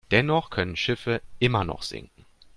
Dennoch können Schiffe immer noch sinken.